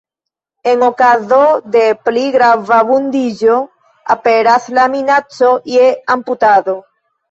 En okazo de pli grava vundiĝo aperas la minaco je amputado.